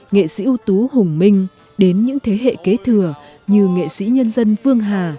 nghệ sĩ ưu tú hùng minh đến những thế hệ kế thừa như nghệ sĩ nhân dân phương hà